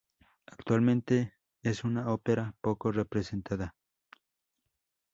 Actualmente es una ópera poco representada.